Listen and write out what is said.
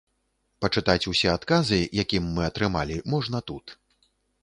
Пачытаць усе адказы, якім мы атрымалі можна тут.